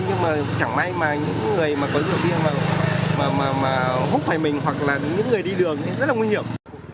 nhưng mà chẳng may mà những người mà có rượu bia mà hút phải mình hoặc là những người đi đường thì rất là nguy hiểm